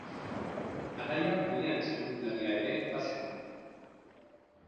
Anaia Julian txirrindularia ere bazen.